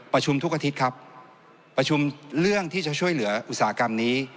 ประชุมทุกอาทิตย์ครับประชุมเรื่องที่จะช่วยเหลืออุตสาหกรรมนี้